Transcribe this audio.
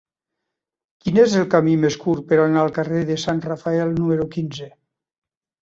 Quin és el camí més curt per anar al carrer de Sant Rafael número quinze?